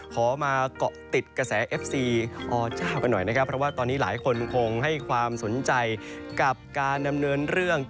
ขอมาเกาะติดกระแสเอฟซีอเจ้ากันหน่อยนะครับเพราะว่าตอนนี้หลายคนคงให้ความสนใจกับการดำเนินเรื่อง